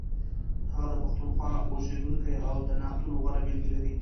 هغه د پښتونخوا اوسیدونکی او د نعتونو غوره بېلګې لري.